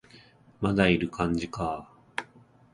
まだいる感じか